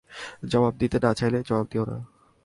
জবাব দিতে না চাইলে জবাব দিও না।